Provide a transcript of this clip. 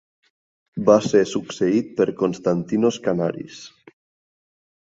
Va ser succeït per Konstantinos Kanaris.